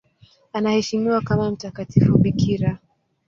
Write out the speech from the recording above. Anaheshimiwa kama mtakatifu bikira.